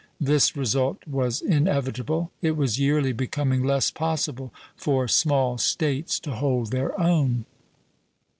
This result was inevitable; it was yearly becoming less possible for small States to hold their own.